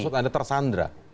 jadi maksud anda tersandra